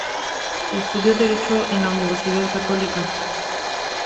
Estudió derecho en la Universidad Católica.